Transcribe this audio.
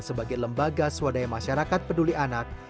sebagai lembaga swadaya masyarakat peduli anak